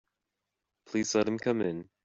Please let me come in.